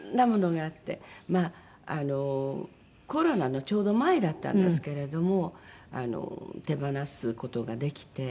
まあコロナのちょうど前だったんですけれども手放す事ができて。